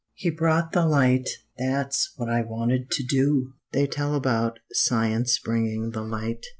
'He brought the light' that's what I wanted to do! They tell about science bringing the light.